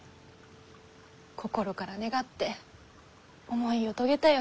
心から願って思いを遂げたよ。